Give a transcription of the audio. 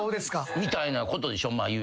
みたいなことでしょ？